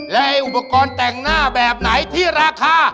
และอุปกรณ์แต่งหน้าแบบไหนที่ราคา